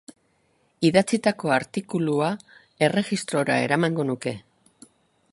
Idatzitako artikulua erregistrora eramango nuke.